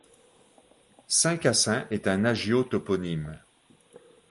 Saint-Cassin est un hagiotoponyme.